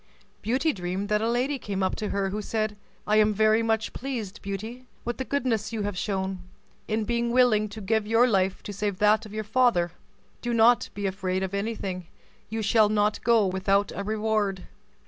Beauty dreamed that a lady came up to her, who said, "I am very much pleased, Beauty, with the goodness you have shown, in being willing to give your life to save that of your father. Do not be afraid of anything; you shall not go without a reward."